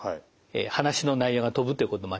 話の内容が飛ぶということもあります。